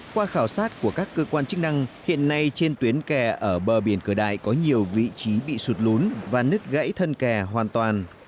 qua khảo sát của các cơ quan chức năng hiện nay trên tuyến kè ở bờ biển cửa đại có nhiều vị trí bị sụt lún và nứt gãy thân kè hoàn toàn